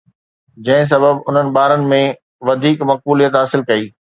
جنهن سبب انهن ٻارن ۾ وڌيڪ مقبوليت حاصل ڪئي